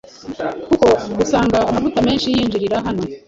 kuko usanga amavuta menshi yinjirira hano